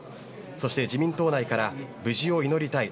そして自民党内から無事を祈りたい。